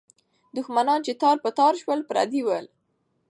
دښمنان چې تار په تار سول، پردي وو.